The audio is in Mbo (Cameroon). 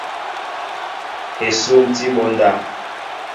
Esŭm tí abunda.